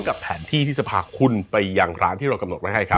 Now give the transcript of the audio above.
กับแผนที่ที่จะพาคุณไปยังร้านที่เรากำหนดไว้ให้ครับ